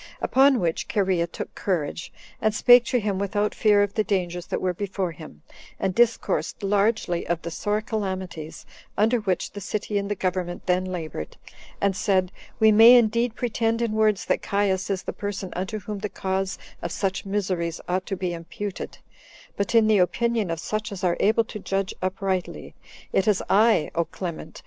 Upon which Cherea took courage, and spake to him without fear of the dangers that were before him, and discoursed largely of the sore calamities under which the city and the government then labored, and said, "We may indeed pretend in words that Caius is the person unto whom the cause of such miseries ought to be imputed; but, in the opinion of such as are able to judge uprightly, it is I, O Clement!